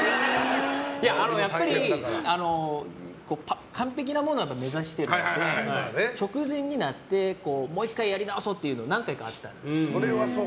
やっぱり完璧なものを目指しているので直前になってもう１回やり直そうというのが何回かあったんですよ。